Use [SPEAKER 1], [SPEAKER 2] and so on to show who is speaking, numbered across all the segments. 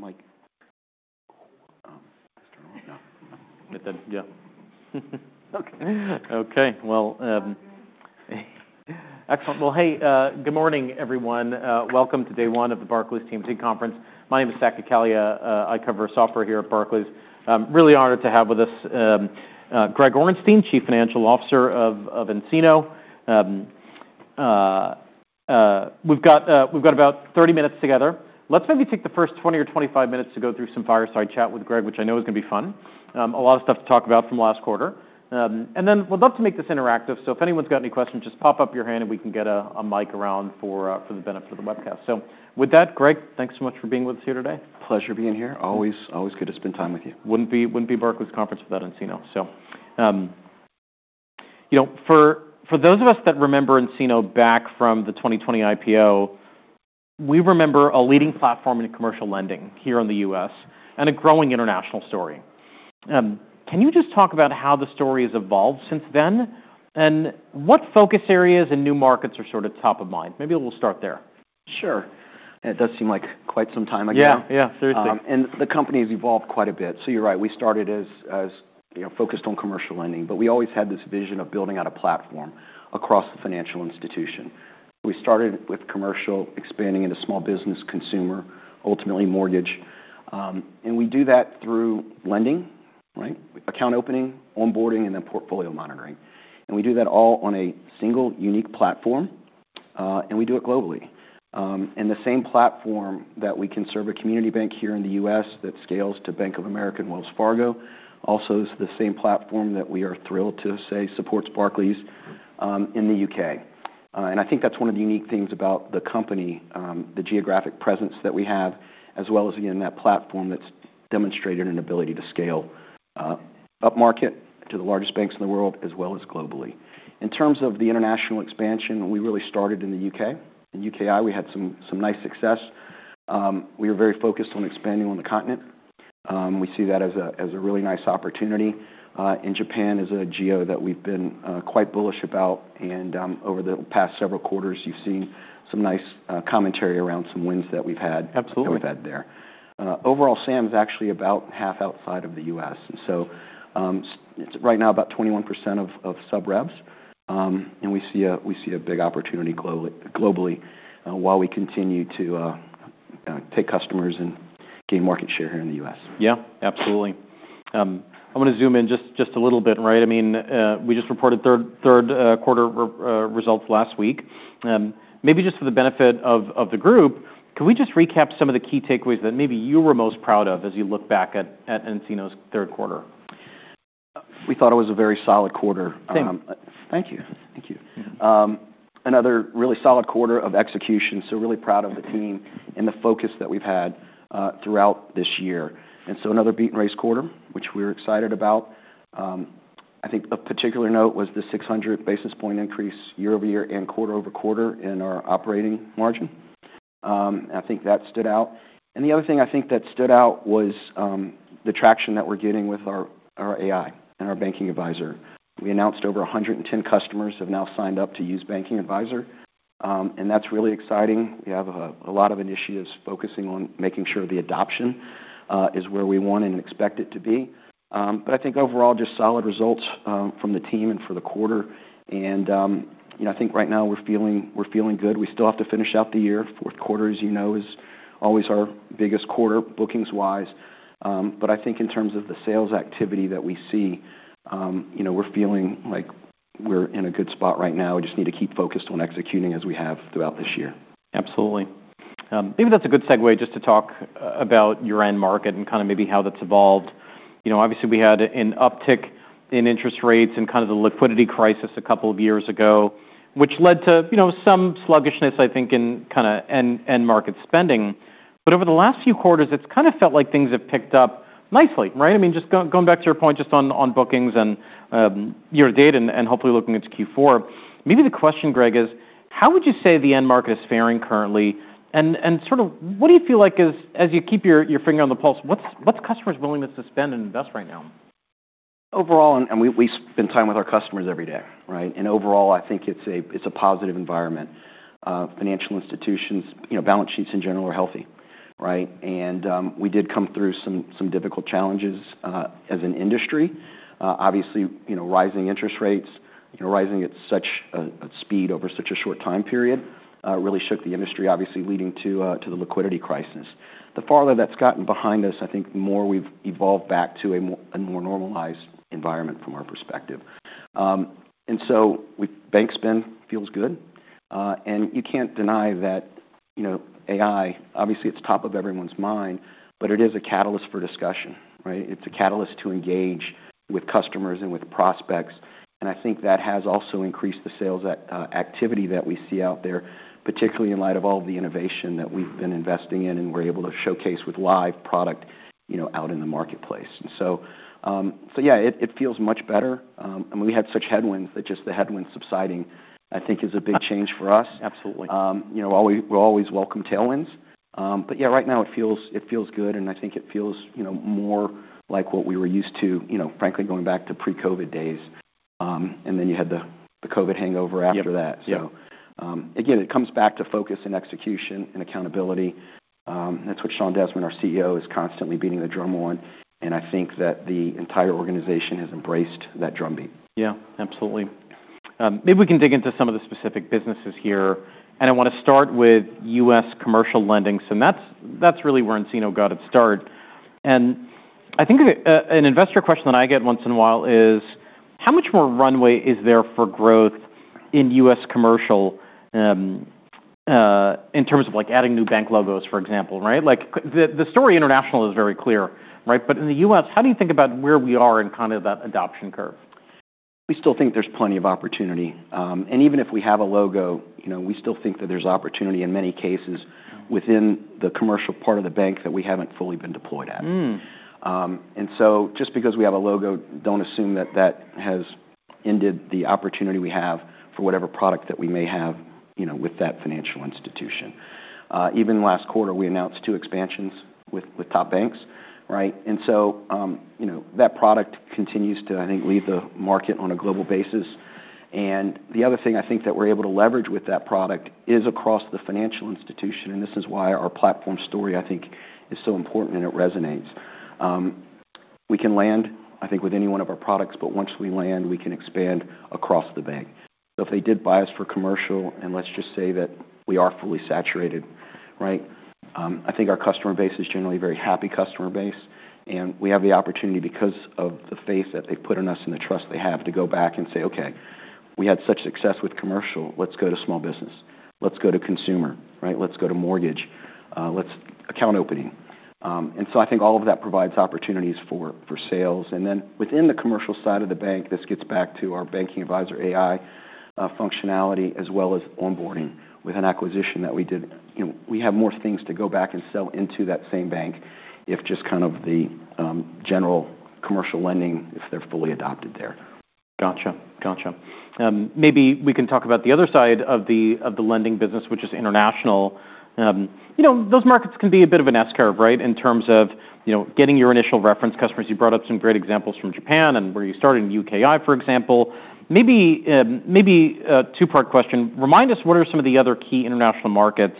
[SPEAKER 1] Right. And I'm like, turn it off. No, no. But then yeah. Okay. Okay. Well, excellent. Well, hey, good morning, everyone. Welcome to day one of the Barclays TMT Conference. My name is Zach Cacaglia. I cover software here at Barclays. Really honored to have with us, Greg Orenstein, Chief Financial Officer of nCino. We've got about 30 minutes together. Let's maybe take the first 20 or 25 minutes to go through some fireside chat with Greg, which I know is gonna be fun. A lot of stuff to talk about from last quarter, and then we'd love to make this interactive. So if anyone's got any questions, just pop up your hand and we can get a mic around for the benefit of the webcast. So with that, Greg, thanks so much for being with us here today.
[SPEAKER 2] Pleasure being here. Always, always good to spend time with you.
[SPEAKER 1] Wouldn't be Barclays Conference without nCino. So, you know, for those of us that remember nCino back from the 2020 IPO, we remember a leading platform in commercial lending here in the U.S. and a growing international story. Can you just talk about how the story has evolved since then and what focus areas and new markets are sort of top of mind? Maybe we'll start there.
[SPEAKER 2] Sure. It does seem like quite some time ago.
[SPEAKER 1] Yeah. Yeah. Seriously.
[SPEAKER 2] and the company has evolved quite a bit, so you're right. We started as you know focused on commercial lending, but we always had this vision of building out a platform across the financial institution. We started with commercial, expanding into small business, consumer, ultimately mortgage, and we do that through lending, right? Account opening, onboarding, and then portfolio monitoring. We do that all on a single, unique platform, and we do it globally, and the same platform that we serve a community bank here in the U.S. that scales to Bank of America and Wells Fargo also is the same platform that we are thrilled to say supports Barclays in the U.K. And I think that's one of the unique things about the company, the geographic presence that we have, as well as, again, that platform that's demonstrated an ability to scale up market to the largest banks in the world as well as globally. In terms of the international expansion, we really started in the U.K. In UKI, we had some nice success. We are very focused on expanding on the continent. We see that as a really nice opportunity. In Japan is a geo that we've been quite bullish about. And over the past several quarters, you've seen some nice commentary around some wins that we've had.
[SPEAKER 1] Absolutely.
[SPEAKER 2] That we've had there. Overall, SAM's actually about half outside of the US, and so it's right now about 21% of sub-revs, and we see a big opportunity globally while we continue to take customers and gain market share here in the US.
[SPEAKER 1] Yeah. Absolutely. I'm gonna zoom in just a little bit, right? I mean, we just reported third quarter results last week. Maybe just for the benefit of the group, can we just recap some of the key takeaways that maybe you were most proud of as you look back at nCino's third quarter?
[SPEAKER 2] We thought it was a very solid quarter.
[SPEAKER 1] Thank you.
[SPEAKER 2] Thank you. Thank you. Another really solid quarter of execution. So really proud of the team and the focus that we've had throughout this year. And so another beat-and-raise quarter, which we were excited about. I think of particular note was the 600 basis point increase year-over-year and quarter over quarter in our operating margin. I think that stood out. And the other thing I think that stood out was the traction that we're getting with our AI and our Banking Advisor. We announced over 110 customers have now signed up to use Banking Advisor. And that's really exciting. We have a lot of initiatives focusing on making sure the adoption is where we want and expect it to be. But I think overall just solid results from the team and for the quarter. And you know I think right now we're feeling, we're feeling good. We still have to finish out the year. Fourth quarter, as you know, is always our biggest quarter bookings-wise, but I think in terms of the sales activity that we see, you know, we're feeling like we're in a good spot right now. We just need to keep focused on executing as we have throughout this year.
[SPEAKER 1] Absolutely. Maybe that's a good segue just to talk about your end market and kinda maybe how that's evolved. You know, obviously we had an uptick in interest rates and kind of the liquidity crisis a couple of years ago, which led to, you know, some sluggishness, I think, in kinda end market spending, but over the last few quarters, it's kinda felt like things have picked up nicely, right? I mean, just going back to your point just on bookings and year to date and hopefully looking into Q4, maybe the question, Greg, is how would you say the end market is faring currently, and sort of what do you feel like as you keep your finger on the pulse, what's customers' willingness to spend and invest right now?
[SPEAKER 2] Overall, we spend time with our customers every day, right, and overall, I think it's a positive environment. Financial institutions, you know, balance sheets in general are healthy, right? We did come through some difficult challenges as an industry. Obviously, you know, rising interest rates, you know, rising at such a speed over such a short time period really shook the industry, obviously leading to the liquidity crisis. The farther that's gotten behind us, I think the more we've evolved back to a more normalized environment from our perspective, and so bank spend feels good. You can't deny that, you know, AI, obviously, it's top of everyone's mind, but it is a catalyst for discussion, right? It's a catalyst to engage with customers and with prospects. And I think that has also increased the sales activity that we see out there, particularly in light of all the innovation that we've been investing in and we're able to showcase with live product, you know, out in the marketplace. And so yeah, it feels much better. And we had such headwinds that just the headwinds subsiding, I think, is a big change for us.
[SPEAKER 1] Absolutely.
[SPEAKER 2] You know, we always welcome tailwinds, but yeah, right now it feels good. I think it feels, you know, more like what we were used to, you know, frankly going back to pre-COVID days, and then you had the COVID hangover after that.
[SPEAKER 1] Yeah.
[SPEAKER 2] So, again, it comes back to focus and execution and accountability. That's what Sean Desmond, our CRO, is constantly beating the drum on. And I think that the entire organization has embraced that drumbeat.
[SPEAKER 1] Yeah. Absolutely. Maybe we can dig into some of the specific businesses here. And I wanna start with U.S. commercial lending. So that's really where nCino got its start. And I think an investor question that I get once in a while is how much more runway is there for growth in U.S. commercial, in terms of like adding new bank logos, for example, right? Like the international story is very clear, right? But in the U.S., how do you think about where we are in kind of that adoption curve?
[SPEAKER 2] We still think there's plenty of opportunity, and even if we have a logo, you know, we still think that there's opportunity in many cases within the commercial part of the bank that we haven't fully been deployed at, and so just because we have a logo, don't assume that that has ended the opportunity we have for whatever product that we may have, you know, with that financial institution. Even last quarter, we announced two expansions with top banks, right, and so you know, that product continues to, I think, lead the market on a global basis, and the other thing I think that we're able to leverage with that product is across the financial institution, and this is why our platform story, I think, is so important and it resonates. We can land, I think, with any one of our products, but once we land, we can expand across the bank. So if they did buy us for commercial and let's just say that we are fully saturated, right? I think our customer base is generally a very happy customer base. And we have the opportunity because of the faith that they've put in us and the trust they have to go back and say, "Okay, we had such success with commercial. Let's go to small business. Let's go to consumer, right? Let's go to mortgage. Let's account opening." And so I think all of that provides opportunities for, for sales. And then within the commercial side of the bank, this gets back to our Banking Advisor AI functionality as well as Onboarding with an acquisition that we did. You know, we have more things to go back and sell into that same bank if just kind of the general commercial lending, if they're fully adopted there.
[SPEAKER 1] Gotcha. Gotcha. Maybe we can talk about the other side of the lending business, which is international. You know, those markets can be a bit of an S-curve, right, in terms of, you know, getting your initial reference customers. You brought up some great examples from Japan and where you started in UKI, for example. Maybe, maybe a two-part question. Remind us what are some of the other key international markets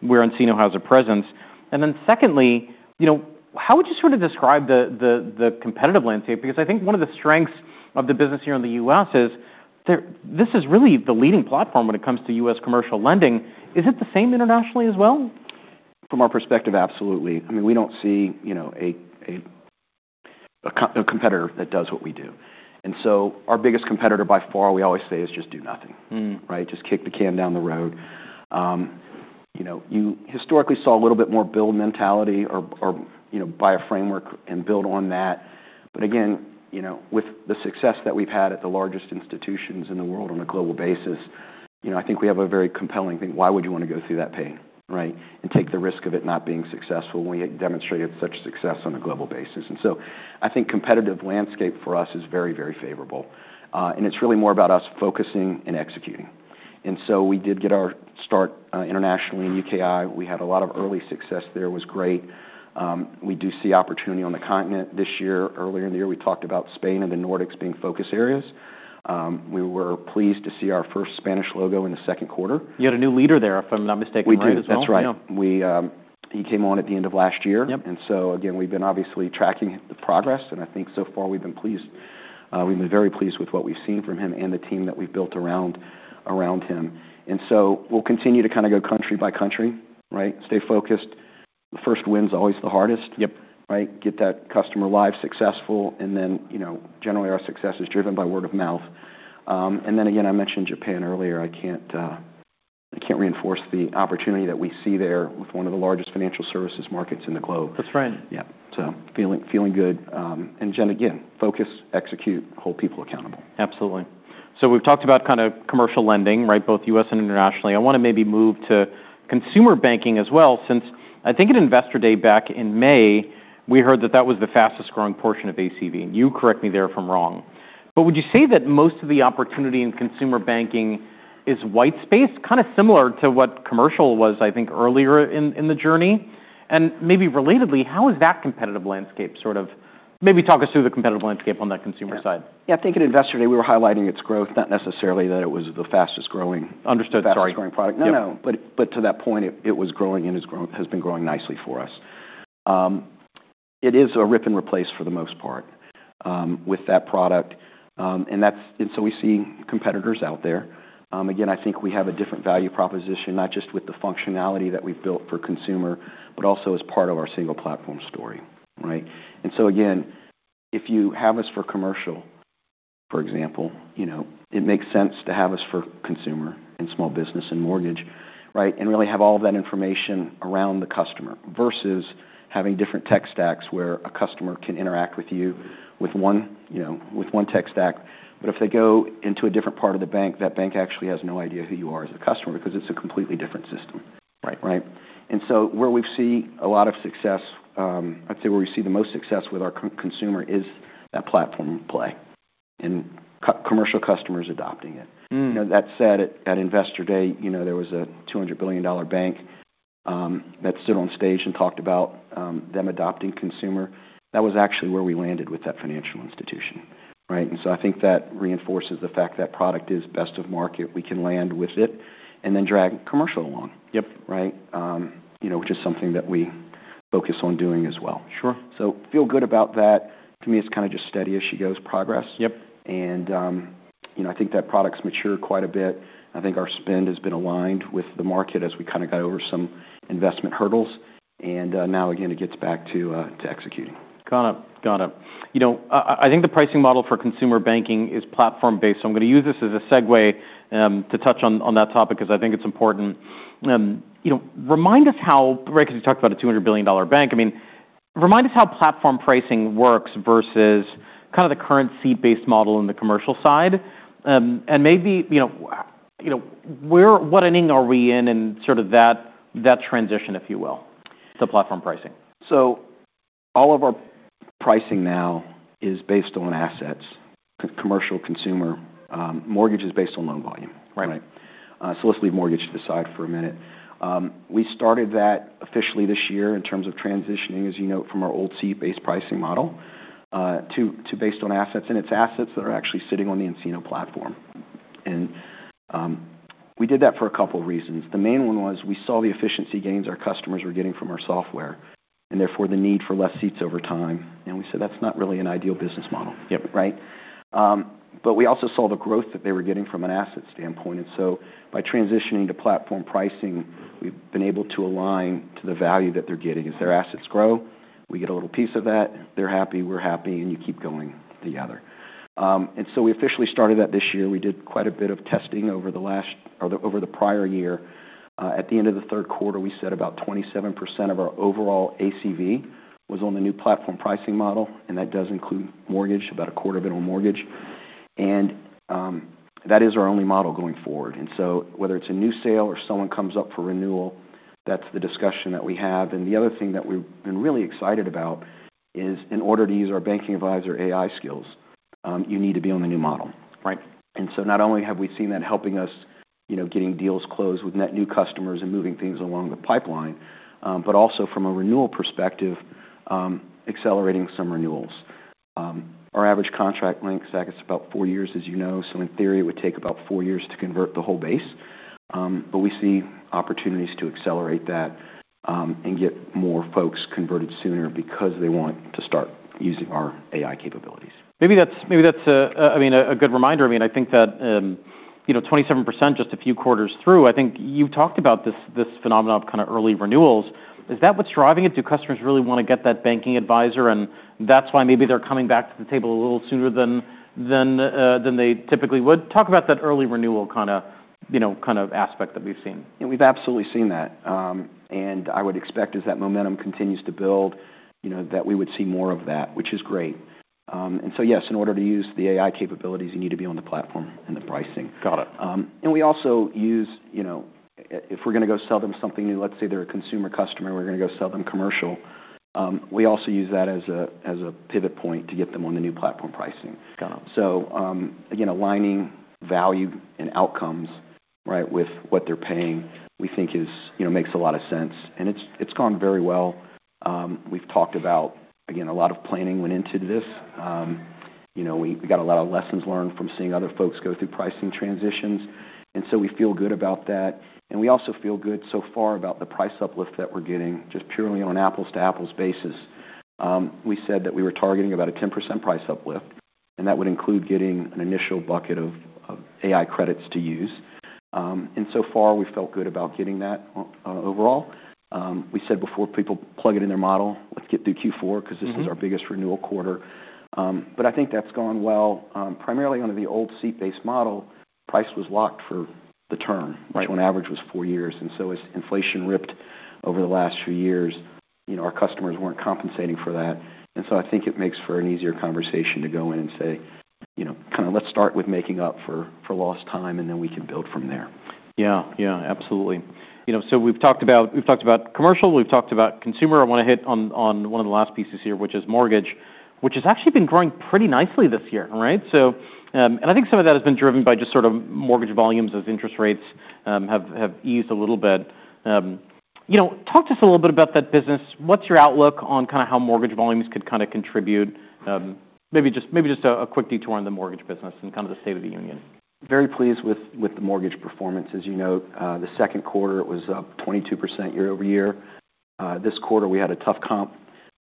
[SPEAKER 1] where nCino has a presence? And then secondly, you know, how would you sort of describe the competitive landscape? Because I think one of the strengths of the business here in the U.S. is that this is really the leading platform when it comes to U.S. commercial lending. Is it the same internationally as well?
[SPEAKER 2] From our perspective, absolutely. I mean, we don't see, you know, a competitor that does what we do, and so our biggest competitor by far, we always say, is just do nothing. Right? Just kick the can down the road. You know, you historically saw a little bit more build mentality or, you know, buy a framework and build on that, but again, you know, with the success that we've had at the largest institutions in the world on a global basis, you know, I think we have a very compelling thing. Why would you wanna go through that pain, right, and take the risk of it not being successful when we demonstrated such success on a global basis, and so I think competitive landscape for us is very, very favorable, and it's really more about us focusing and executing. And so we did get our start, internationally in UKI. We had a lot of early success there. It was great. We do see opportunity on the continent this year. Earlier in the year, we talked about Spain and the Nordics being focus areas. We were pleased to see our first Spanish logo in the second quarter.
[SPEAKER 1] You had a new leader there, if I'm not mistaken, right?
[SPEAKER 2] We did. That's right.
[SPEAKER 1] In nCino.
[SPEAKER 2] He came on at the end of last year.
[SPEAKER 1] Yep.
[SPEAKER 2] And so again, we've been obviously tracking the progress. And I think so far we've been pleased. We've been very pleased with what we've seen from him and the team that we've built around him. And so we'll continue to kinda go country by country, right? Stay focused. The first win's always the hardest.
[SPEAKER 1] Yep.
[SPEAKER 2] Right? Get that customer live, successful, and then, you know, generally our success is driven by word of mouth, and then again, I mentioned Japan earlier. I can't reinforce the opportunity that we see there with one of the largest financial services markets in the globe.
[SPEAKER 1] That's right.
[SPEAKER 2] Yeah. So feeling good, and again, focus, execute, hold people accountable.
[SPEAKER 1] Absolutely. So we've talked about kinda commercial lending, right, both U.S. and internationally. I wanna maybe move to consumer banking as well. Since I think at investor day back in May, we heard that that was the fastest growing portion of ACV. And you correct me there if I'm wrong. But would you say that most of the opportunity in consumer banking is white space, kinda similar to what commercial was, I think, earlier in the journey? And maybe relatedly, how is that competitive landscape sort of maybe talk us through the competitive landscape on that consumer side?
[SPEAKER 2] Yeah. I think at investor day, we were highlighting its growth, not necessarily that it was the fastest growing.
[SPEAKER 1] Understood.
[SPEAKER 2] Sorry.
[SPEAKER 1] Fastest growing product.
[SPEAKER 2] No, no. But to that point, it was growing and has been growing nicely for us. It is a rip and replace for the most part, with that product. And so we see competitors out there. Again, I think we have a different value proposition, not just with the functionality that we've built for consumer, but also as part of our single platform story, right? And so again, if you have us for commercial, for example, you know, it makes sense to have us for consumer and small business and mortgage, right, and really have all of that information around the customer versus having different tech stacks where a customer can interact with you with one, you know, tech stack. But if they go into a different part of the bank, that bank actually has no idea who you are as a customer because it's a completely different system.
[SPEAKER 1] Right.
[SPEAKER 2] Right? And so where we've seen a lot of success, I'd say where we see the most success with our consumer is that platform play and commercial customers adopting it. You know, that said, at investor day, you know, there was a $200 billion bank that stood on stage and talked about them adopting consumer. That was actually where we landed with that financial institution, right? And so I think that reinforces the fact that product is best of market. We can land with it and then drag commercial along.
[SPEAKER 1] Yep.
[SPEAKER 2] Right? You know, which is something that we focus on doing as well.
[SPEAKER 1] Sure.
[SPEAKER 2] So feel good about that. To me, it's kinda just steady as she goes, progress.
[SPEAKER 1] Yep.
[SPEAKER 2] And, you know, I think that product's matured quite a bit. I think our spend has been aligned with the market as we kinda got over some investment hurdles. And, now again, it gets back to executing.
[SPEAKER 1] Got it. Got it. You know, I think the pricing model for consumer banking is platform-based. So I'm gonna use this as a segue to touch on that topic 'cause I think it's important. You know, remind us how, right? 'Cause you talked about a $200 billion bank. I mean, remind us how platform pricing works versus kinda the current seat-based model on the commercial side. And maybe, you know, what inning are we in in sort of that transition, if you will, to platform pricing?
[SPEAKER 2] All of our pricing now is based on assets, commercial, consumer. Mortgage is based on loan volume.
[SPEAKER 1] Right.
[SPEAKER 2] Right? So let's leave mortgage to the side for a minute. We started that officially this year in terms of transitioning, as you know, from our old seat-based pricing model to based on assets and its assets that are actually sitting on the nCino platform. And, we did that for a couple of reasons. The main one was we saw the efficiency gains our customers were getting from our software and therefore the need for less seats over time. And we said that's not really an ideal business model.
[SPEAKER 1] Yep.
[SPEAKER 2] Right? But we also saw the growth that they were getting from an asset standpoint. And so by transitioning to platform pricing, we've been able to align to the value that they're getting. As their assets grow, we get a little piece of that. They're happy. We're happy. And you keep going together. And so we officially started that this year. We did quite a bit of testing over the prior year. At the end of the third quarter, we said about 27% of our overall ACV was on the new platform pricing model. And that does include mortgage, about a quarter of it on mortgage. And that is our only model going forward. And so whether it's a new sale or someone comes up for renewal, that's the discussion that we have. And the other thing that we've been really excited about is, in order to use our Banking Advisor AI skills, you need to be on the new model.
[SPEAKER 1] Right.
[SPEAKER 2] And so not only have we seen that helping us, you know, getting deals closed with net new customers and moving things along the pipeline, but also from a renewal perspective, accelerating some renewals. Our average contract length, I guess, about four years, as you know. So in theory, it would take about four years to convert the whole base. But we see opportunities to accelerate that, and get more folks converted sooner because they want to start using our AI capabilities.
[SPEAKER 1] Maybe that's a good reminder. I mean, I think that, you know, 27% just a few quarters through. I think you've talked about this phenomenon of kinda early renewals. Is that what's driving it? Do customers really wanna get that Banking Advisor? And that's why maybe they're coming back to the table a little sooner than they typically would? Talk about that early renewal kinda, you know, kinda aspect that we've seen.
[SPEAKER 2] Yeah. We've absolutely seen that, and I would expect as that momentum continues to build, you know, that we would see more of that, which is great, and so yes, in order to use the AI capabilities, you need to be on the platform and the pricing.
[SPEAKER 1] Got it.
[SPEAKER 2] and we also use, you know, if we're gonna go sell them something new, let's say they're a consumer customer, we're gonna go sell them commercial. We also use that as a pivot point to get them on the new platform pricing.
[SPEAKER 1] Got it.
[SPEAKER 2] So, again, aligning value and outcomes, right, with what they're paying, we think is, you know, makes a lot of sense. And it's gone very well. We've talked about, again, a lot of planning went into this. You know, we got a lot of lessons learned from seeing other folks go through pricing transitions. And so we feel good about that. And we also feel good so far about the price uplift that we're getting just purely on apples-to-apples basis. We said that we were targeting about a 10% price uplift, and that would include getting an initial bucket of AI credits to use. And so far we felt good about getting that overall. We said before people plug it in their model, let's get through Q4 'cause this is our biggest renewal quarter. But I think that's gone well. primarily on the old seat-based model, price was locked for the term.
[SPEAKER 1] Right.
[SPEAKER 2] Which, on average, was four years. And so as inflation ripped over the last few years, you know, our customers weren't compensating for that. And so I think it makes for an easier conversation to go in and say, you know, kinda, let's start with making up for lost time and then we can build from there.
[SPEAKER 1] Yeah. Yeah. Absolutely. You know, so we've talked about commercial. We've talked about consumer. I wanna hit on one of the last pieces here, which is mortgage, which has actually been growing pretty nicely this year, right? So, and I think some of that has been driven by just sort of mortgage volumes as interest rates have eased a little bit. You know, talk to us a little bit about that business. What's your outlook on kinda how mortgage volumes could kinda contribute, maybe just a quick detour in the mortgage business and kinda the state of the union?
[SPEAKER 2] Very pleased with the mortgage performance. As you know, the second quarter it was up 22% year-over-year. This quarter we had a tough comp.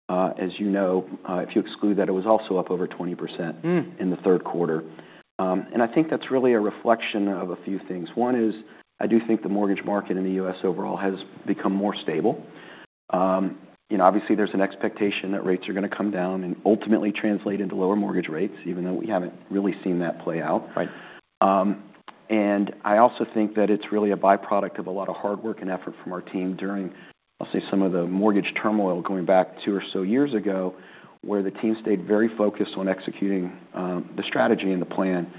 [SPEAKER 2] As you know, if you exclude that, it was also up over 20% in the third quarter, and I think that's really a reflection of a few things. One is I do think the mortgage market in the US overall has become more stable. You know, obviously there's an expectation that rates are gonna come down and ultimately translate into lower mortgage rates, even though we haven't really seen that play out.
[SPEAKER 1] Right.
[SPEAKER 2] And I also think that it's really a byproduct of a lot of hard work and effort from our team during, I'll say, some of the mortgage turmoil going back two or so years ago where the team stayed very focused on executing the strategy and the plan.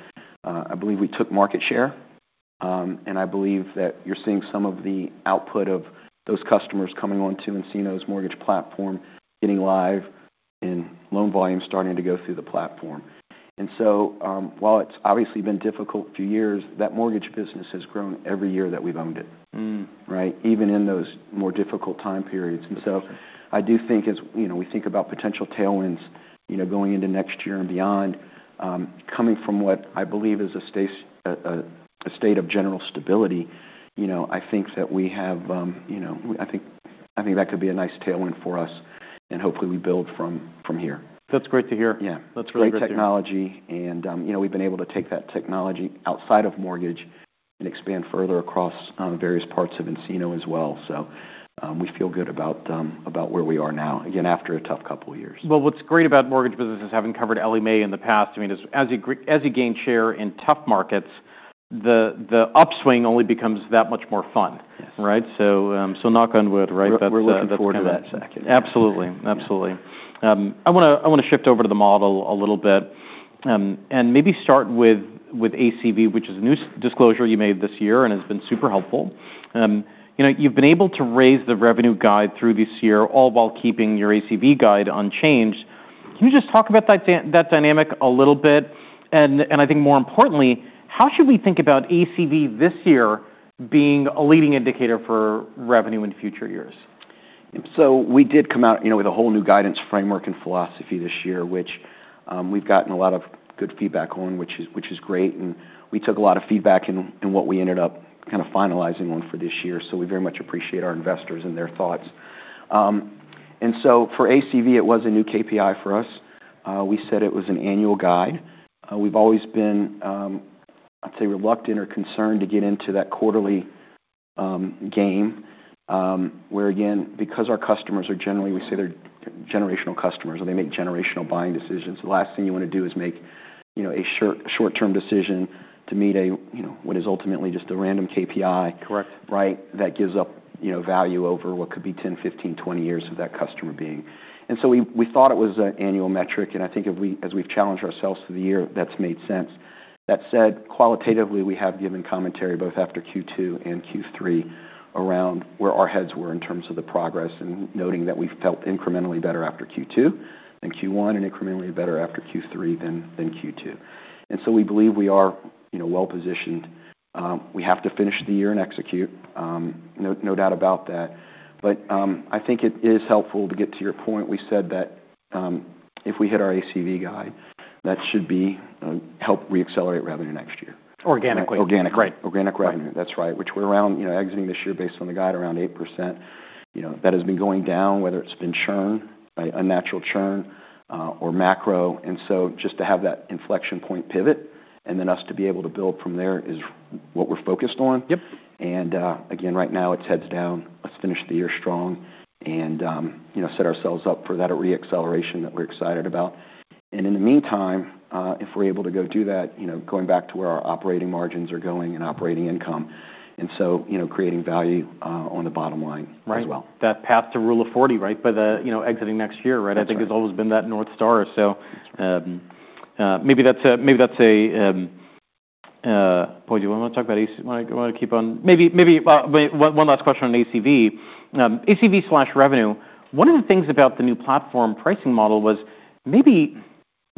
[SPEAKER 2] I believe we took market share. And I believe that you're seeing some of the output of those customers coming onto nCino's mortgage platform, getting live and loan volume starting to go through the platform. And so, while it's obviously been difficult a few years, that mortgage business has grown every year that we've owned it. Right? Even in those more difficult time periods. And so I do think, as you know, we think about potential tailwinds, you know, going into next year and beyond, coming from what I believe is a state of general stability, you know. I think that we have, you know. I think that could be a nice tailwind for us. And hopefully we build from here.
[SPEAKER 1] That's great to hear.
[SPEAKER 2] Yeah.
[SPEAKER 1] That's really great to hear.
[SPEAKER 2] Great technology, and you know, we've been able to take that technology outside of mortgage and expand further across various parts of nCino as well, so we feel good about where we are now, again, after a tough couple of years.
[SPEAKER 1] What's great about mortgage businesses having covered Ellie Mae in the past, I mean, as you gained share in tough markets, the upswing only becomes that much more fun.
[SPEAKER 2] Yes.
[SPEAKER 1] Right? So, so knock on wood, right?
[SPEAKER 2] We're looking forward to that.
[SPEAKER 1] Absolutely. Absolutely. I wanna shift over to the model a little bit, and maybe start with ACV, which is a new S disclosure you made this year and has been super helpful. You know, you've been able to raise the revenue guide through this year all while keeping your ACV guide unchanged. Can you just talk about that dynamic a little bit? And I think more importantly, how should we think about ACV this year being a leading indicator for revenue in future years?
[SPEAKER 2] So we did come out, you know, with a whole new guidance framework and philosophy this year, which we've gotten a lot of good feedback on, which is great. And we took a lot of feedback in what we ended up kinda finalizing on for this year. So we very much appreciate our investors and their thoughts. And so for ACV, it was a new KPI for us. We said it was an annual guide. We've always been, I'd say, reluctant or concerned to get into that quarterly game, where again, because our customers are generally we say they're generational customers or they make generational buying decisions. The last thing you wanna do is make, you know, a short-term decision to meet a, you know, what is ultimately just a random KPI.
[SPEAKER 1] Correct.
[SPEAKER 2] Right? That gives us, you know, value over what could be 10, 15, 20 years of that customer being, and so we thought it was an annual metric, and I think if we, as we've challenged ourselves through the year, that's made sense. That said, qualitatively, we have given commentary both after Q2 and Q3 around where our heads were in terms of the progress and noting that we felt incrementally better after Q2 than Q1 and incrementally better after Q3 than Q2, and so we believe we are, you know, well-positioned, we have to finish the year and execute, no doubt about that, but I think it is helpful to get to your point. We said that if we hit our ACV guide, that should help re-accelerate revenue next year.
[SPEAKER 1] Organically.
[SPEAKER 2] Organic.
[SPEAKER 1] Right.
[SPEAKER 2] Organic revenue. That's right. Which we're around, you know, exiting this year based on the guide around 8%. You know, that has been going down, whether it's been churn by unnatural churn, or macro. And so just to have that inflection point pivot and then us to be able to build from there is what we're focused on.
[SPEAKER 1] Yep.
[SPEAKER 2] And, again, right now it's heads down. Let's finish the year strong and, you know, set ourselves up for that re-acceleration that we're excited about. And in the meantime, if we're able to go do that, you know, going back to where our operating margins are going and operating income and so, you know, creating value, on the bottom line as well.
[SPEAKER 1] Right. That path to Rule of 40, right? By the, you know, exiting next year, right?
[SPEAKER 2] That's right.
[SPEAKER 1] I think has always been that north star. So, boy, do you wanna talk about ACV? Wanna keep on? What last question on ACV? ACV slash revenue, one of the things about the new platform pricing model was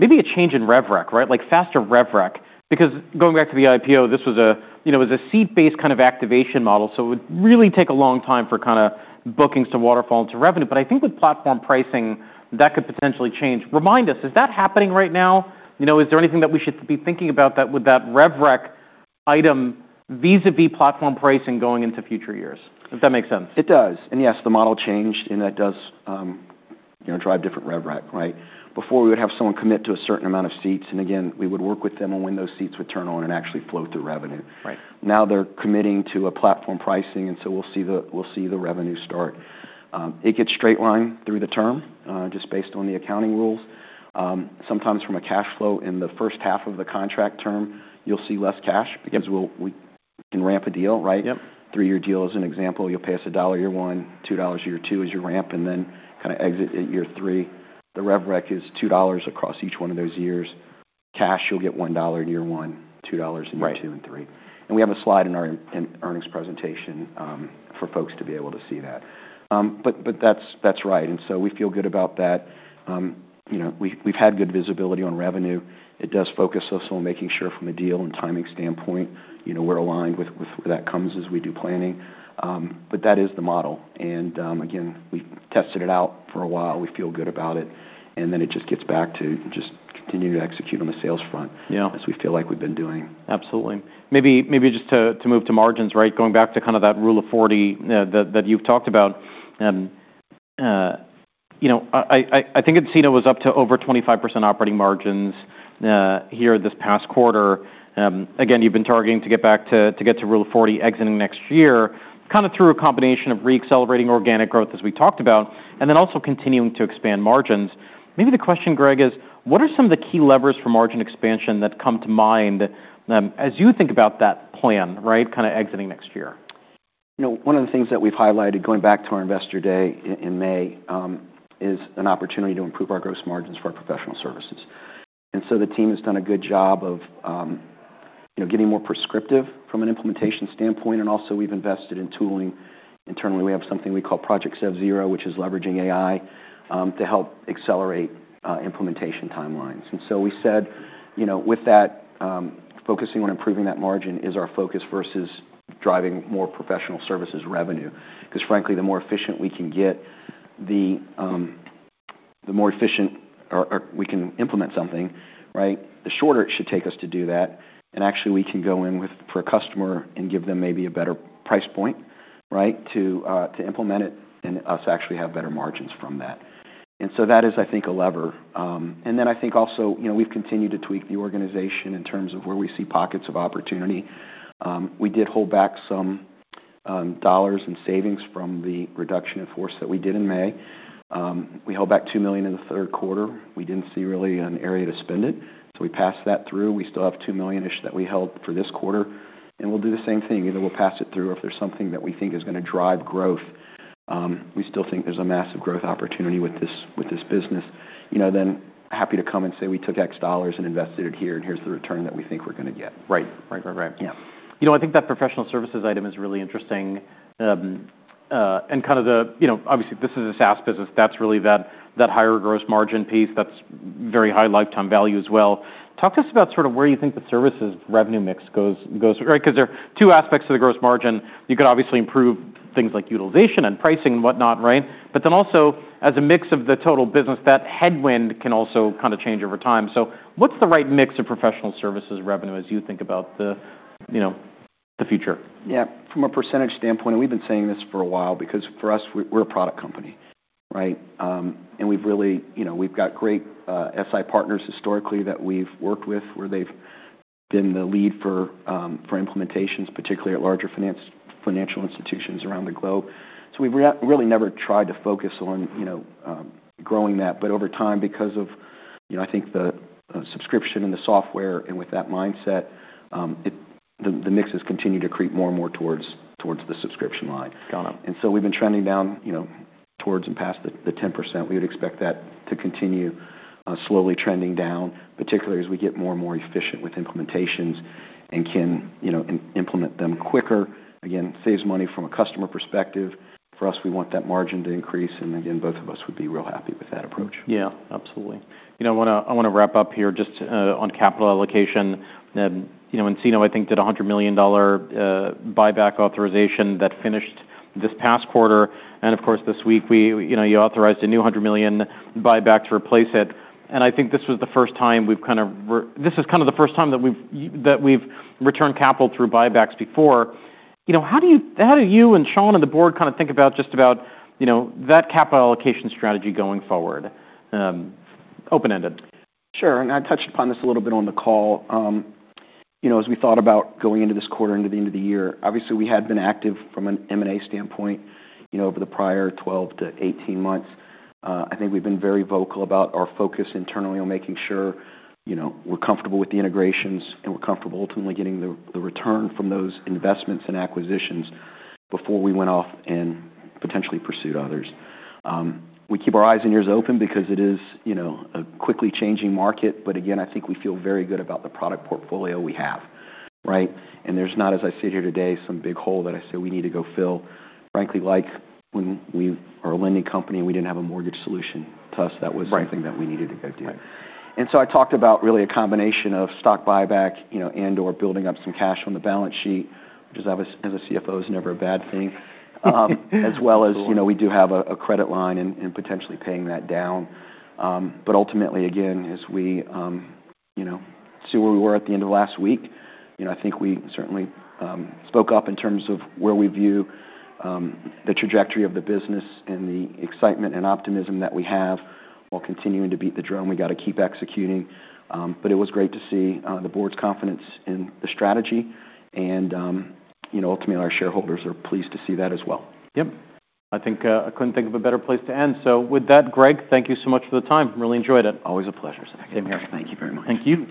[SPEAKER 1] a change in RevRec, right? Like faster RevRec. Because going back to the IPO, this was a, you know, it was a seat-based kind of activation model. So it would really take a long time for kinda bookings to waterfall into revenue. But I think with platform pricing, that could potentially change. Remind us, is that happening right now? You know, is there anything that we should be thinking about that with that RevRec item vis-à-vis platform pricing going into future years? If that makes sense.
[SPEAKER 2] It does. And yes, the model changed and that does, you know, drive different RevRec, right? Before we would have someone commit to a certain amount of seats. And again, we would work with them on when those seats would turn on and actually flow through revenue.
[SPEAKER 1] Right.
[SPEAKER 2] Now they're committing to a platform pricing, and so we'll see the revenue start. It gets straight line through the term, just based on the accounting rules. Sometimes from a cash flow in the first half of the contract term, you'll see less cash because we can ramp a deal, right?
[SPEAKER 1] Yep.
[SPEAKER 2] Three-year deal is an example. You'll pay us $1 year one, $2 year two as you ramp, and then kinda exit at year three. The RevRec is $2 across each one of those years. Cash, you'll get $1 year one, $2 in year two and three.
[SPEAKER 1] Right.
[SPEAKER 2] And we have a slide in our earnings presentation, for folks to be able to see that. But that's right. And so we feel good about that. You know, we've had good visibility on revenue. It does focus us on making sure from a deal and timing standpoint, you know, we're aligned with where that comes as we do planning. But that is the model. And again, we tested it out for a while. We feel good about it. And then it just gets back to just continue to execute on the sales front.
[SPEAKER 1] Yeah.
[SPEAKER 2] As we feel like we've been doing.
[SPEAKER 1] Absolutely. Maybe just to move to margins, right? Going back to kinda that Rule of 40 that you've talked about. You know, I think nCino was up to over 25% operating margins here this past quarter. Again, you've been targeting to get back to get to Rule of 40 exiting next year, kinda through a combination of re-accelerating organic growth as we talked about, and then also continuing to expand margins. Maybe the question, Greg, is what are some of the key levers for margin expansion that come to mind, as you think about that plan, right? Kinda exiting next year.
[SPEAKER 2] You know, one of the things that we've highlighted going back to our investor day in May is an opportunity to improve our gross margins for our professional services. And so the team has done a good job of, you know, getting more prescriptive from an implementation standpoint. And also we've invested in tooling. Internally, we have something we call Project SevZero, which is leveraging AI to help accelerate implementation timelines. And so we said, you know, with that, focusing on improving that margin is our focus versus driving more professional services revenue. 'Cause frankly, the more efficient we can get, the more efficient we can implement something, right? The shorter it should take us to do that. Actually, we can go in with for a customer and give them maybe a better price point, right, to implement it and us actually have better margins from that. So that is, I think, a lever. Then I think also, you know, we've continued to tweak the organization in terms of where we see pockets of opportunity. We did hold back some dollars and savings from the reduction in force that we did in May. We held back $2 million in the third quarter. We didn't see really an area to spend it. So we passed that through. We still have $2 million-ish that we held for this quarter. We'll do the same thing. Either we'll pass it through or, if there's something that we think is gonna drive growth, we still think there's a massive growth opportunity with this, with this business. You know, then happy to come and say we took $X and invested it here and here's the return that we think we're gonna get.
[SPEAKER 1] Right.
[SPEAKER 2] Yeah.
[SPEAKER 1] You know, I think that professional services item is really interesting, and kinda the, you know, obviously this is a SaaS business. That's really that higher gross margin piece. That's very high lifetime value as well. Talk to us about sort of where you think the services revenue mix goes, right? 'Cause there are two aspects of the gross margin. You could obviously improve things like utilization and pricing and whatnot, right? But then also as a mix of the total business, that headwind can also kinda change over time. So what's the right mix of professional services revenue as you think about the, you know, future?
[SPEAKER 2] Yeah. From a percentage standpoint, and we've been saying this for a while because for us, we're a product company, right? and we've really, you know, we've got great SI partners historically that we've worked with where they've been the lead for implementations, particularly at larger financial institutions around the globe. So we've really never tried to focus on, you know, growing that. But over time because of, you know, I think the subscription and the software and with that mindset, the mixes continue to creep more and more towards the subscription line.
[SPEAKER 1] Got it.
[SPEAKER 2] And so we've been trending down, you know, towards and past the 10%. We would expect that to continue, slowly trending down, particularly as we get more and more efficient with implementations and can, you know, implement them quicker. Again, saves money from a customer perspective. For us, we want that margin to increase. And again, both of us would be real happy with that approach.
[SPEAKER 1] Yeah. Absolutely. You know, I wanna wrap up here just on capital allocation. You know, nCino I think did a $100 million buyback authorization that finished this past quarter. And of course this week, you know, you authorized a new $100 million buyback to replace it. And I think this is kinda the first time that we've returned capital through buybacks before. You know, how do you and Sean and the board kinda think about just about, you know, that capital allocation strategy going forward? Open-ended.
[SPEAKER 2] Sure. And I touched upon this a little bit on the call. You know, as we thought about going into this quarter and into the end of the year, obviously we had been active from an M&A standpoint, you know, over the prior 12-18 months. I think we've been very vocal about our focus internally on making sure, you know, we're comfortable with the integrations and we're comfortable ultimately getting the return from those investments and acquisitions before we went off and potentially pursued others. We keep our eyes and ears open because it is, you know, a quickly changing market. But again, I think we feel very good about the product portfolio we have, right? And there's not, as I sit here today, some big hole that I say we need to go fill. Frankly, like when we are a lending company and we didn't have a mortgage solution, to us that was.
[SPEAKER 1] Right.
[SPEAKER 2] Something that we needed to go do.
[SPEAKER 1] Right.
[SPEAKER 2] And so I talked about really a combination of stock buyback, you know, and/or building up some cash on the balance sheet, which is obvious as a CFO is never a bad thing, as well as, you know, we do have a credit line and potentially paying that down. But ultimately, again, as we, you know, see where we were at the end of last week, you know, I think we certainly spoke up in terms of where we view the trajectory of the business and the excitement and optimism that we have while continuing to beat the drum. We gotta keep executing. But it was great to see the board's confidence in the strategy. And, you know, ultimately our shareholders are pleased to see that as well.
[SPEAKER 1] Yep. I think, I couldn't think of a better place to end. So with that, Greg, thank you so much for the time. Really enjoyed it.
[SPEAKER 2] Always a pleasure.
[SPEAKER 1] Same here.
[SPEAKER 2] Thank you very much.
[SPEAKER 1] Thank you.